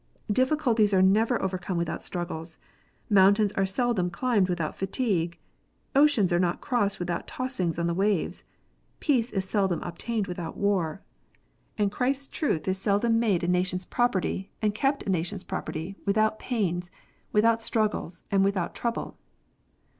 Difficulties are never over come without struggles. Mountains are seldom climbed with out fatigue. Oceans are not crossed without tossings on the waves. Peace is seldom obtained without war. And Christ s PRIVATE JUDGMENT. 59 truth is seldom made a nation s property, and kept a nation s property, without pains, without struggles, and without trouble.